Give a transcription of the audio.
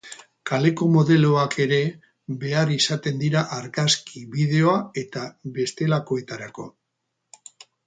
Kaleko modeloak ere behar izaten dira argazki, bideo eta bestelakoetarako.